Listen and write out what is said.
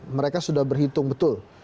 mereka sudah berhitung betul